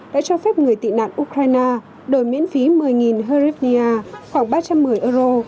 đã cho phép người tị nạn ukraine đổi miễn phí một mươi herribia khoảng ba trăm một mươi euro